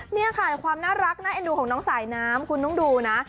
นี่ค่ะความน่ารักน่าเอ็นดูของน้องสายน้ำคุณต้องดูนะ